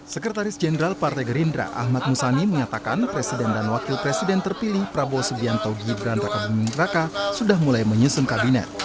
sekretaris jenderal partai gerindra ahmad musani mengatakan presiden dan wakil presiden terpilih prabowo subianto gibran raka buming raka sudah mulai menyusun kabinet